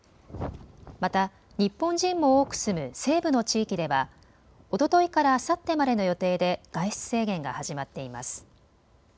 また日本人も多く住む西部の地域ではおとといからあさってまでの予定で外出制限が始まっています。